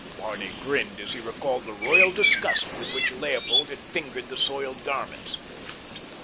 Barney grinned as he recalled the royal disgust with which Leopold had fingered the soiled garments.